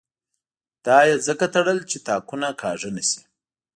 دا یې ځکه تړل چې تاکونه کاږه نه شي.